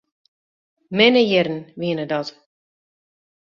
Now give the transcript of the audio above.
Minne jierren wienen dat.